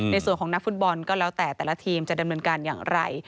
ในส่วนของนักฟุตบอลก็แล้วแต่แต่ละทีมจะดำเนินการอย่างไร